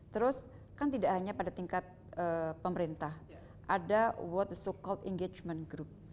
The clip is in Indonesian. terus kan tidak hanya pada tingkat pemerintah ada what is so called engagement group